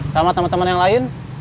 sama temen temen yang lain